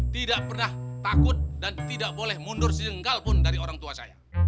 tidak pernah takut dan tidak boleh mundur selenggal pun dari orang tua saya